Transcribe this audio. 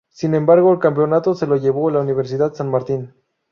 Sin embargo, el campeonato se lo llevó la Universidad San Martín.